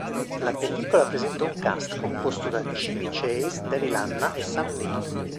La pellicola presenta un cast composto da Chevy Chase, Daryl Hannah e Sam Neill.